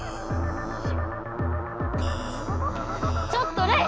ちょっとレイ！